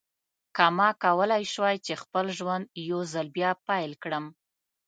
که ما کولای شوای چې خپل ژوند یو ځل بیا پیل کړم.